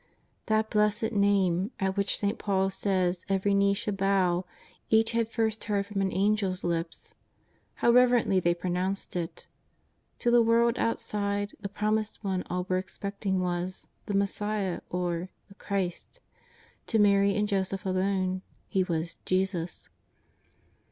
That blessed [N'ame at which St. Paul says every knee should bow, each had first heard from an Angel's lips. How reverently they pronounced it. To the world outside, the Promised One all were expecting was " the Messiah," or " the Christ;" to Mary and Joseph alone He was '' JESUS."